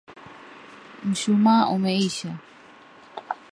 Mshumaa umeisha.